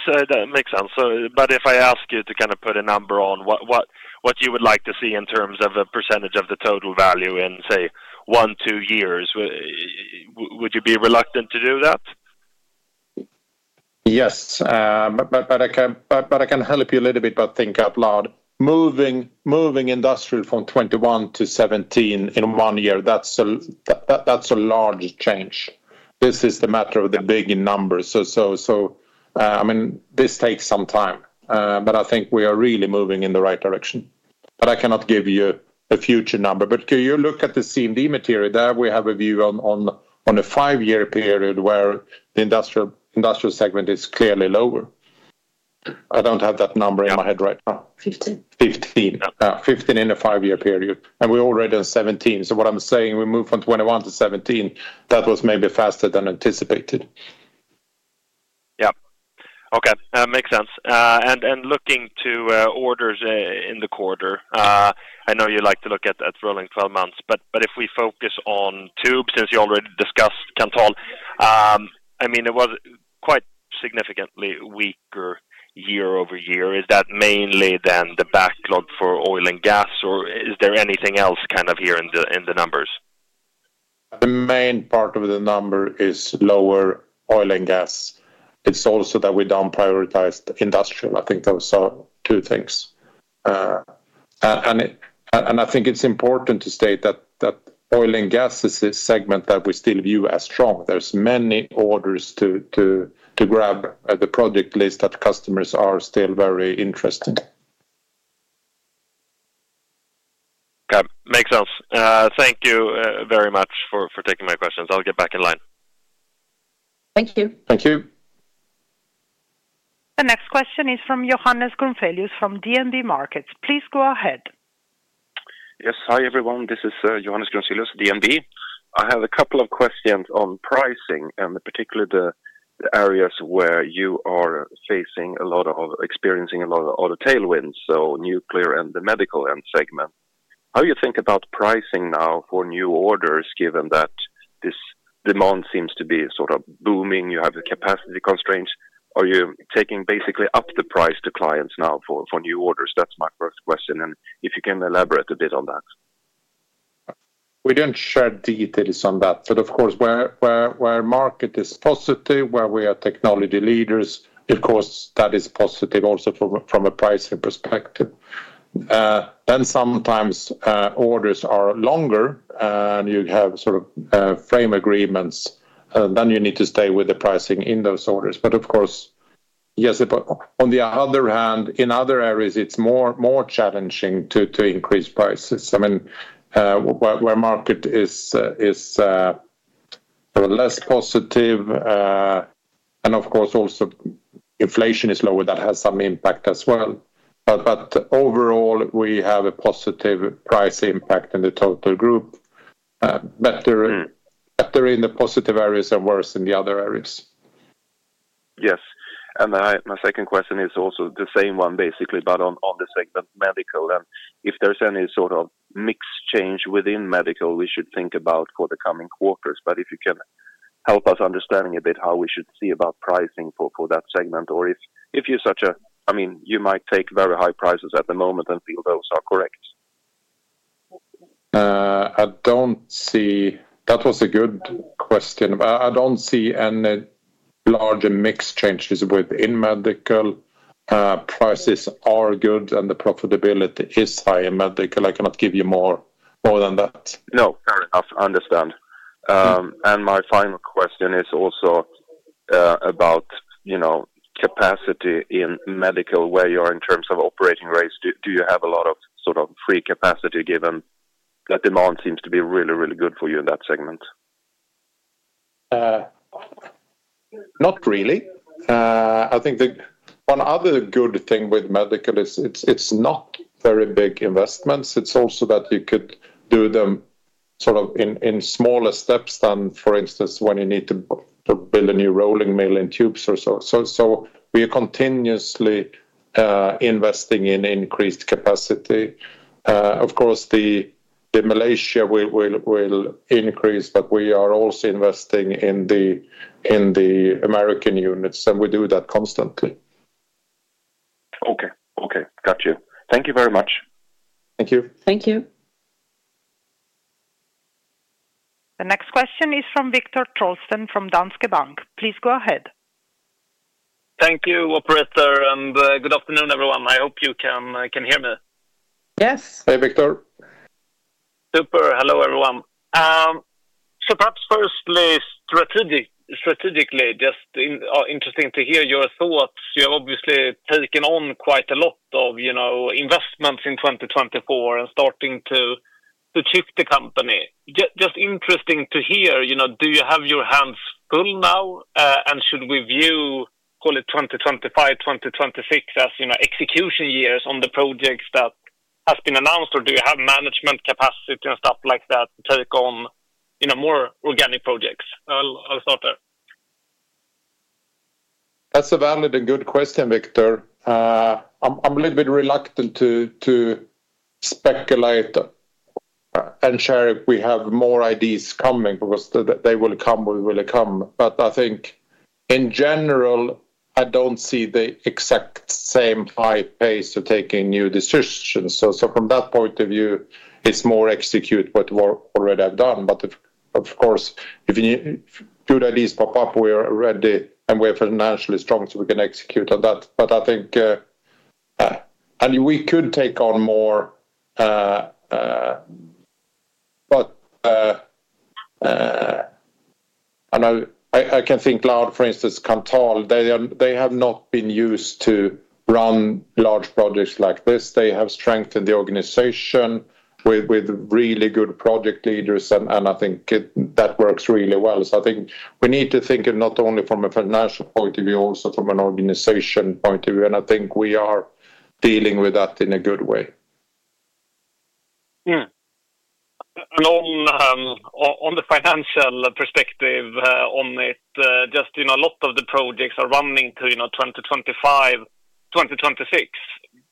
[SPEAKER 5] So that makes sense. But if I ask you to kind of put a number on what you would like to see in terms of a percentage of the total value in, say, one, two years, would you be reluctant to do that?
[SPEAKER 2] Yes. But I can help you a little bit by thinking out loud. Moving industrial from 21 to 17 in one year, that's a large change. This is the matter of the big numbers. So I mean, this takes some time, but I think we are really moving in the right direction. But I cannot give you a future number. But can you look at the CMD material? There we have a view on a five-year period where the industrial segment is clearly lower. I don't have that number in my head right now. 15. 15 in a five-year period. And we're already on 17. So what I'm saying, we move from 21 to 17, that was maybe faster than anticipated.
[SPEAKER 5] Yeah. Okay. That makes sense. Looking to orders in the quarter, I know you like to look at rolling 12 months, but if we focus on tubes, since you already discussed Kanthal, I mean, it was quite significantly weaker year-over-year. Is that mainly then the backlog for oil and gas, or is there anything else kind of here in the numbers?
[SPEAKER 2] The main part of the number is lower oil and gas. It's also that we downprioritized industrial. I think those are two things. And I think it's important to state that oil and gas is a segment that we still view as strong. There's many orders to grab at the project list that customers are still very interested in.
[SPEAKER 5] Makes sense. Thank you very much for taking my questions. I'll get back in line.
[SPEAKER 1] Thank you.
[SPEAKER 2] Thank you.
[SPEAKER 4] The next question is from Johannes Grunselius from DNB Markets. Please go ahead.
[SPEAKER 6] Yes. Hi everyone. This is Johannes Grunselius, DNB Markets. I have a couple of questions on pricing and particularly the areas where you are facing a lot of tailwinds, so nuclear and the medical end segment. How do you think about pricing now for new orders given that this demand seems to be sort of booming? You have the capacity constraints. Are you taking basically up the price to clients now for new orders? That's my first question. And if you can elaborate a bit on that.
[SPEAKER 2] We didn't share details on that. But of course, where market is positive, where we are technology leaders, of course, that is positive also from a pricing perspective. Then sometimes orders are longer, and you have sort of frame agreements, and then you need to stay with the pricing in those orders. But of course, yes, on the other hand, in other areas, it's more challenging to increase prices. I mean, where market is less positive, and of course, also inflation is lower, that has some impact as well. But overall, we have a positive price impact in the total group, better in the positive areas and worse in the other areas.
[SPEAKER 6] Yes. And my second question is also the same one, basically, but on the segment medical. And if there's any sort of margin change within medical, we should think about for the coming quarters. But if you can help us understand a bit how we should see about pricing for that segment, or if you're such a, I mean, you might take very high prices at the moment and feel those are correct.
[SPEAKER 2] That was a good question. I don't see any larger margin changes within medical. Prices are good, and the profitability is high in medical. I cannot give you more than that.
[SPEAKER 6] No, fair enough. I understand. And my final question is also about capacity in medical, where you are in terms of operating rates. Do you have a lot of sort of free capacity given that demand seems to be really, really good for you in that segment?
[SPEAKER 2] Not really. I think one other good thing with medical is it's not very big investments. It's also that you could do them sort of in smaller steps than, for instance, when you need to build a new rolling mill in tubes or so. So we are continuously investing in increased capacity. Of course, the Malaysia will increase, but we are also investing in the American units, and we do that constantly.
[SPEAKER 6] Okay. Okay. Got you. Thank you very much.
[SPEAKER 2] Thank you.
[SPEAKER 1] Thank you.
[SPEAKER 4] The next question is from Viktor Trollsten from Danske Bank. Please go ahead.
[SPEAKER 7] Thank you, Operator, and good afternoon, everyone. I hope you can hear me.
[SPEAKER 1] Yes.
[SPEAKER 2] Hey, Viktor.
[SPEAKER 7] Super. Hello, everyone. So perhaps firstly, strategically, just interesting to hear your thoughts. You have obviously taken on quite a lot of investments in 2024 and starting to shift the company. Just interesting to hear, do you have your hands full now? And should we view, call it 2025, 2026 as execution years on the projects that have been announced, or do you have management capacity and stuff like that to take on more organic projects? I'll start there.
[SPEAKER 2] That's a valid and good question, Viktor. I'm a little bit reluctant to speculate and share if we have more ideas coming because they will come, we will come. But I think, in general, I don't see the exact same high pace of taking new decisions. So from that point of view, it's more execute what we already have done. But of course, if good ideas pop up, we are ready, and we are financially strong, so we can execute on that. But I think we could take on more. But I can think out loud, for instance, Kanthal. They have not been used to run large projects like this. They have strengthened the organization with really good project leaders, and I think that works really well. So I think we need to think not only from a financial point of view, also from an organization point of view. And I think we are dealing with that in a good way.
[SPEAKER 7] On the financial perspective, on it, just a lot of the projects are running to 2025, 2026.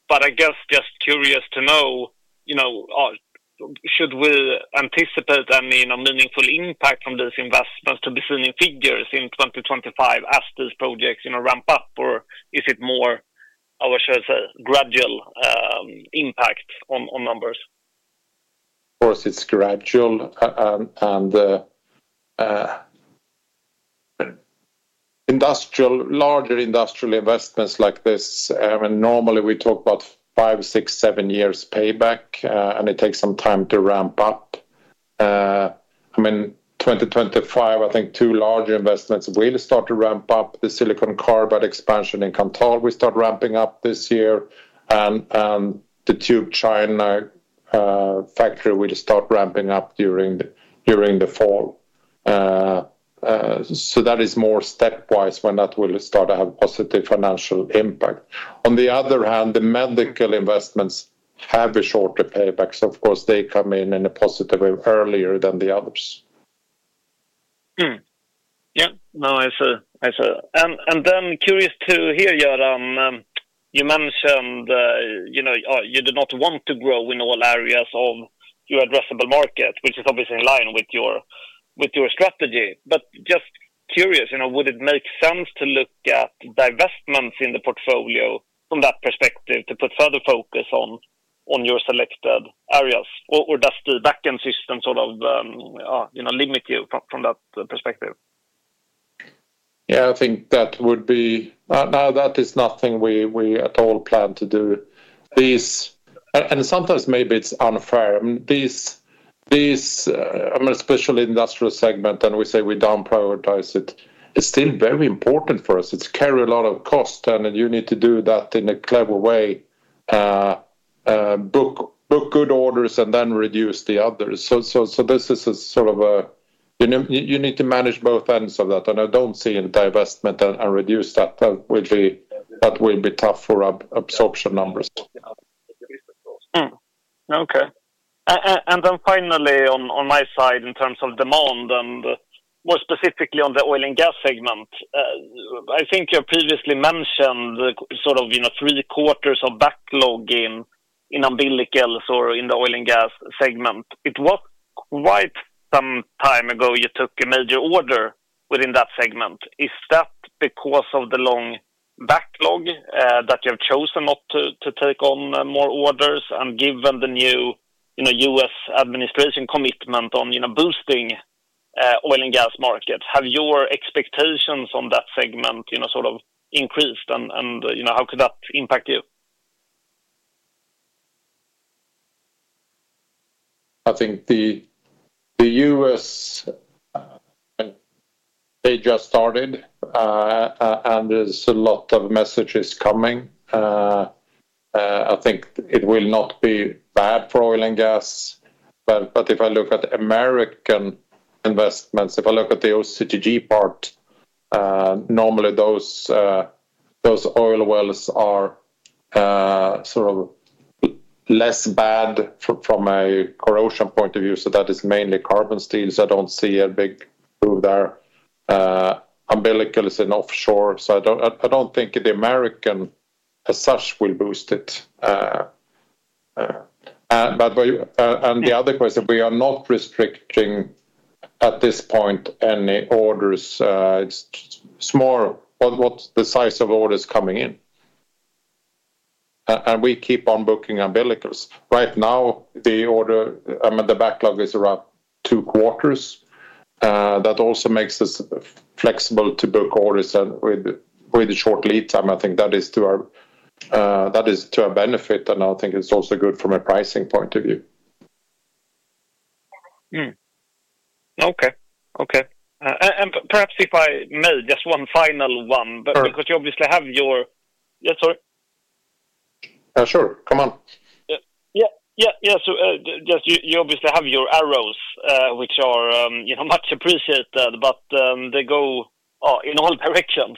[SPEAKER 7] But I guess just curious to know, should we anticipate any meaningful impact from these investments to be seen in figures in 2025 as these projects ramp up, or is it more, I should say, gradual impact on numbers?
[SPEAKER 2] Of course, it's gradual. And larger industrial investments like this, normally we talk about five, six, seven years payback, and it takes some time to ramp up. I mean, 2025, I think two larger investments will start to ramp up. The silicon carbide expansion in Kanthal, we start ramping up this year. And the tube China factory will start ramping up during the fall. So that is more stepwise when that will start to have a positive financial impact. On the other hand, the medical investments have a shorter payback. So of course, they come in in a positive way earlier than the others.
[SPEAKER 7] Yeah. Nice, I see. And then, curious to hear, Göran, you mentioned you do not want to grow in all areas of your addressable market, which is obviously in line with your strategy. But just curious, would it make sense to look at divestments in the portfolio from that perspective to put further focus on your selected areas, or does the backend system sort of limit you from that perspective?
[SPEAKER 2] Yeah, I think that would be now, that is nothing we at all plan to do. And sometimes maybe it's unfair. I mean, especially industrial segment, and we say we downprioritize it, it's still very important for us. It's carrying a lot of cost, and you need to do that in a clever way, book good orders, and then reduce the others. So this is a sort of a you need to manage both ends of that. And I don't see a divestment and reduce that. That will be tough for absorption numbers.
[SPEAKER 7] Okay. And then finally, on my side, in terms of demand, and more specifically on the oil and gas segment, I think you previously mentioned sort of three quarters of backlog in umbilicals or in the oil and gas segment. It was quite some time ago you took a major order within that segment. Is that because of the long backlog that you have chosen not to take on more orders and given the new US administration commitment on boosting oil and gas markets? Have your expectations on that segment sort of increased, and how could that impact you?
[SPEAKER 2] I think the US, they just started, and there's a lot of messages coming. I think it will not be bad for oil and gas. But if I look at American investments, if I look at the OCTG part, normally those oil wells are sort of less bad from a corrosion point of view. So that is mainly carbon steel. So I don't see a big move there. Umbilicals are in offshore. So I don't think the American as such will boost it. And the other question, we are not restricting at this point any orders. It's more what the size of orders coming in. And we keep on booking umbilicals. Right now, the order, I mean, the backlog is around two quarters. That also makes us flexible to book orders with a short lead time. I think that is to our benefit. And I think it's also good from a pricing point of view.
[SPEAKER 7] Okay. Okay. And perhaps if I may, just one final one, because you obviously have your arrows, which are much appreciated, but they go in all directions.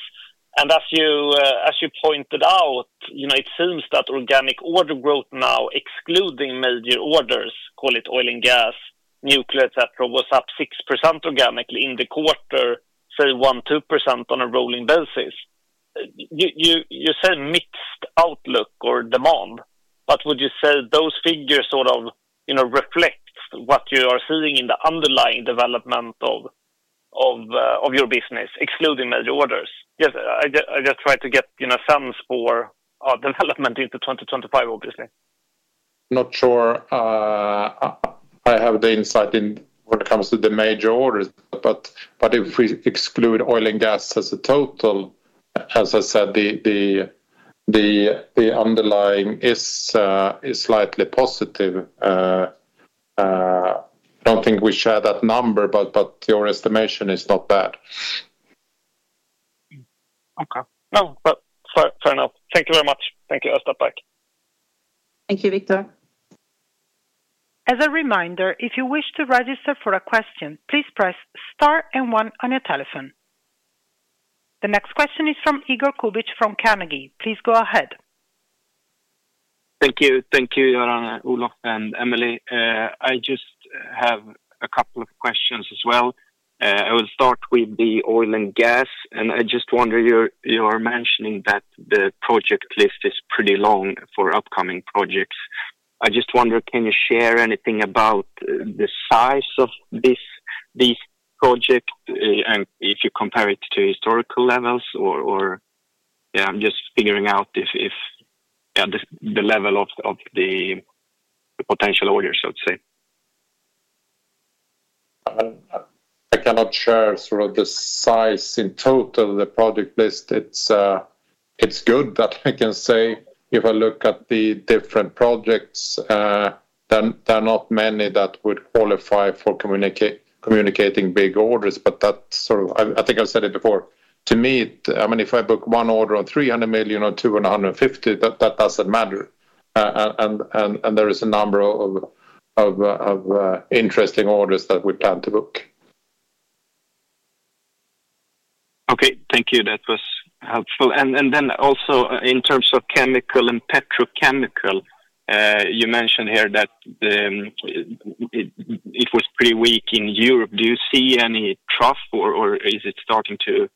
[SPEAKER 7] And as you pointed out, it seems that organic order growth now, excluding major orders, call it oil and gas, nuclear, etc., was up 6% organically in the quarter, say, 1% to 2% on a rolling basis. You said mixed outlook or demand. But would you say those figures sort of reflect what you are seeing in the underlying development of your business, excluding major orders? Just try to get a sense for development into 2025, obviously.
[SPEAKER 2] Not sure I have the insight in what comes to the major orders. But if we exclude oil and gas as a total, as I said, the underlying is slightly positive. I don't think we share that number, but your estimation is not bad.
[SPEAKER 7] Okay. No, fair enough. Thank you very much.
[SPEAKER 2] Thank you, Österbeck.
[SPEAKER 1] Thank you, Viktor.
[SPEAKER 4] As a reminder, if you wish to register for a question, please press star and one on your telephone. The next question is from Igor Kubich from Carnegie. Please go ahead.
[SPEAKER 8] Thank you. Thank you, Göran, Olof, and Emelie. I just have a couple of questions as well. I will start with the oil and gas. And I just wonder, you are mentioning that the project list is pretty long for upcoming projects. I just wonder, can you share anything about the size of this project and if you compare it to historical levels? Or yeah, I'm just figuring out if the level of the potential orders, let's say.
[SPEAKER 2] I cannot share sort of the size in total of the project list. It's good that I can say. If I look at the different projects, there are not many that would qualify for communicating big orders. But that's sort of, I think I've said it before. To me, I mean, if I book one order on 300 million or 250 million, that doesn't matter. And there is a number of interesting orders that we plan to book.
[SPEAKER 8] Okay. Thank you. That was helpful. And then also in terms of chemical and petrochemical, you mentioned here that it was pretty weak in Europe. Do you see any trough, or is it starting to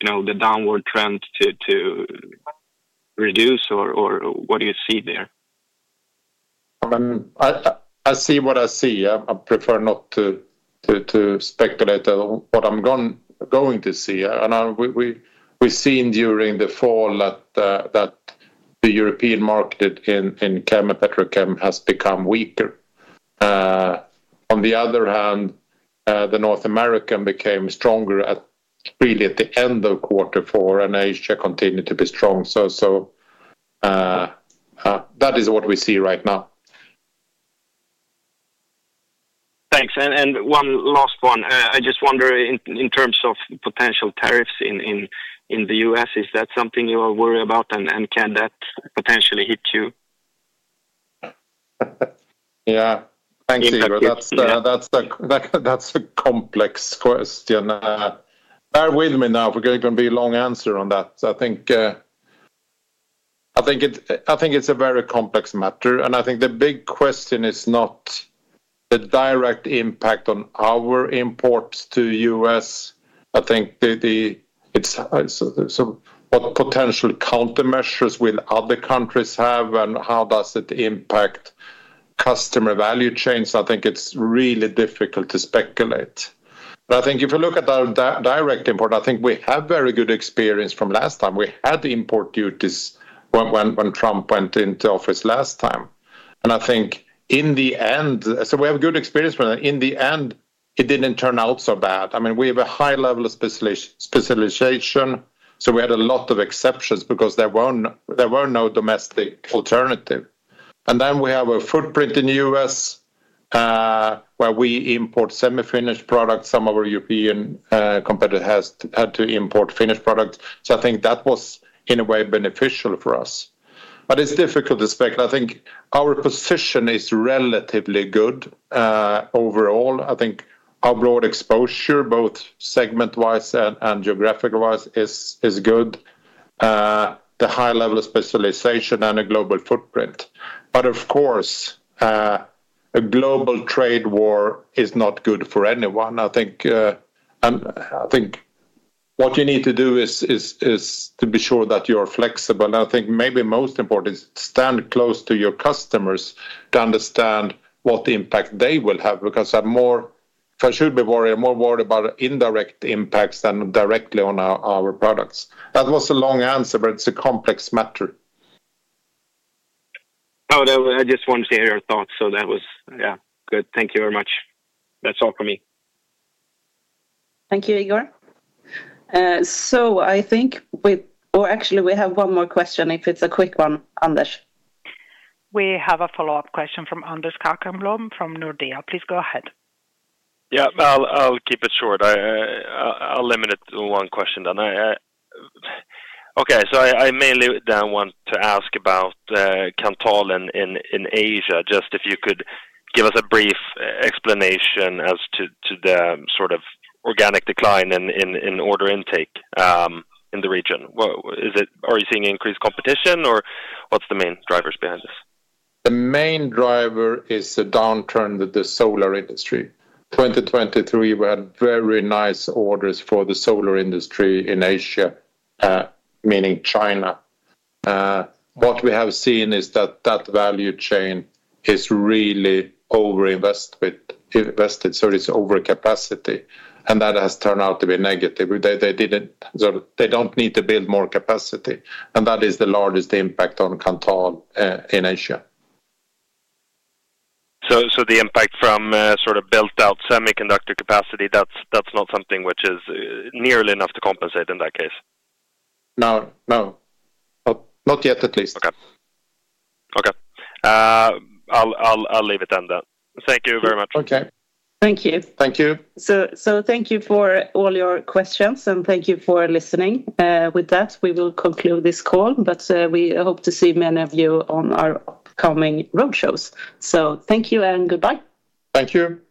[SPEAKER 8] the downward trend to reduce, or what do you see there?
[SPEAKER 2] I mean, I see what I see. I prefer not to speculate on what I'm going to see. And we've seen during the fall that the European market in chem and petrochem has become weaker. On the other hand, the North America became stronger really at the end of quarter four, and Asia continued to be strong. So that is what we see right now.
[SPEAKER 8] Thanks. And one last one. I just wonder in terms of potential tariffs in the U.S., is that something you are worried about, and can that potentially hit you?
[SPEAKER 2] Yeah. Thank you. That's a complex question. Bear with me now. We're going to be a long answer on that. I think it's a very complex matter. And I think the big question is not the direct impact on our imports to the U.S. I think it's what potential countermeasures will other countries have, and how does it impact customer value chains. I think it's really difficult to speculate. But I think if you look at our direct import, I think we have very good experience from last time. We had import duties when Trump went into office last time, and I think in the end, so we have good experience from that. In the end, it didn't turn out so bad. I mean, we have a high level of specialization, so we had a lot of exceptions because there were no domestic alternatives, and then we have a footprint in the U.S. where we import semi-finished products. Some of our European competitors had to import finished products, so I think that was in a way beneficial for us, but it's difficult to speculate. I think our position is relatively good overall. I think our broad exposure, both segment-wise and geographic-wise, is good, the high level of specialization and a global footprint, but of course, a global trade war is not good for anyone. I think what you need to do is to be sure that you are flexible. And I think maybe most important is to stand close to your customers to understand what the impact they will have because I should be worried. I'm more worried about indirect impacts than directly on our products. That was a long answer, but it's a complex matter.
[SPEAKER 8] No, I just wanted to hear your thoughts. So that was, yeah, good. Thank you very much. That's all for me.
[SPEAKER 1] Thank you, Igor. So I think we, oh, actually, we have one more question if it's a quick one, Anders.
[SPEAKER 4] We have a follow-up question from Anders Åkerblom from Nordea. Please go ahead.
[SPEAKER 5] Yeah, I'll keep it short. I'll limit it to one question then. Okay. So I mainly then want to ask about Kanthal in Asia. Just if you could give us a brief explanation as to the sort of organic decline in order intake in the region. Are you seeing increased competition, or what's the main drivers behind this?
[SPEAKER 2] The main driver is the downturn with the solar industry. 2023, we had very nice orders for the solar industry in Asia, meaning China. What we have seen is that that value chain is really overinvested. So it's overcapacity. And that has turned out to be negative. They don't need to build more capacity. And that is the largest impact on Kanthal in Asia.
[SPEAKER 5] So the impact from sort of built-out semiconductor capacity, that's not something which is nearly enough to compensate in that case? No. No. Not yet, at least. Okay. Okay. I'll leave it then. Thank you very much.
[SPEAKER 2] Okay.
[SPEAKER 1] Thank you.
[SPEAKER 2] Thank you.
[SPEAKER 1] So thank you for all your questions, and thank you for listening. With that, we will conclude this call, but we hope to see many of you on our upcoming road shows. So thank you and goodbye.
[SPEAKER 2] Thank you.